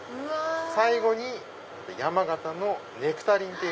最後に山形のネクタリン。